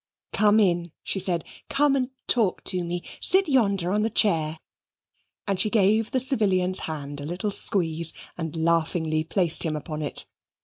"Come in," she said. "Come and talk to me. Sit yonder on the chair"; and she gave the civilian's hand a little squeeze and laughingly placed him upon it.